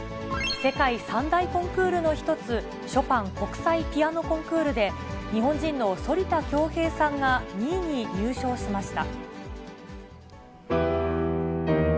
世界三大コンクールの一つ、ショパン国際ピアノコンクールで、日本人の反田恭平さんが２位に入賞しました。